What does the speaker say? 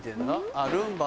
あっルンバ。